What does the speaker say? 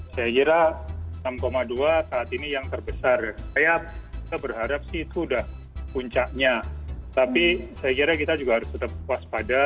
saya kira enam dua saat ini yang terbesar saya berharap sih itu sudah puncaknya tapi saya kira kita juga harus tetap waspada